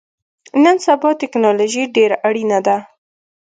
نن سبا ټکنالوژی ډیره اړینه ده